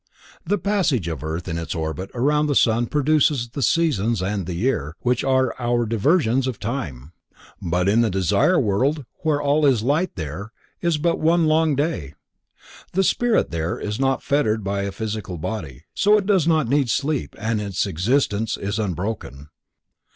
The passage of the earth in its orbit around the sun produces the seasons and the year, which are our divisions of time. But in the Desire World where all is light there is but one long day. The spirit is not there fettered by a heavy physical body, so it does not need sleep and existence is unbroken.